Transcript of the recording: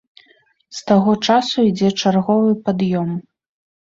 З таго часу ідзе чарговы пад'ём.